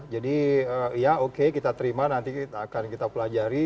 jadi ya oke kita terima nanti akan kita pelajari